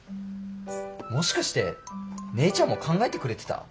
もしかして姉ちゃんも考えてくれてた？